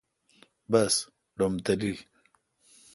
بس ڈوم تلیل ۔